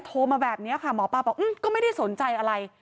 โทรมาแบบนี้ค่ะหมอปลาบอกก็ไม่ได้สนใจอะไร